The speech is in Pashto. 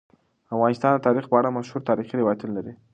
افغانستان د تاریخ په اړه مشهور تاریخی روایتونه لري.